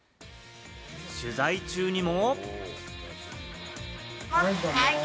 取材中にも。